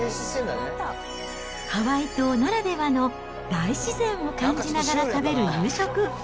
ハワイ島ならではの大自然を感じながら食べる夕食。